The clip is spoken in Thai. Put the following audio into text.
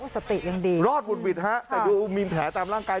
สติยังดีรอดหุดหวิดฮะแต่ดูมีแผลตามร่างกาย